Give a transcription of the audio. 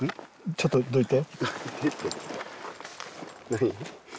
ちょっとどいて。